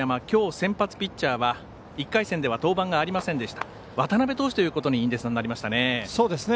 きょう先発ピッチャーは１回戦では登板がありませんでした渡邊投手ということになりましたね。